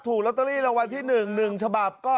ถูกลอตเตอรี่รางวัลที่๑๑ฉบับ